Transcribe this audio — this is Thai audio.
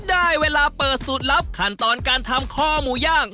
ได้เวลาเปิดสูตรลับขั้นตอนการทำคอหมูย่าง